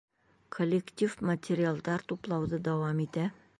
Коллектив материалдар туплауҙы дауам итә.